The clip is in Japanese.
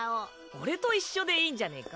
俺と一緒でいいんじゃねぇか。